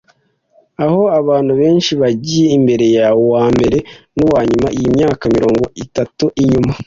aho abantu benshi bagiye imbere yawe, uwambere nuwanyuma, iyi myaka mirongo itatu inyuma -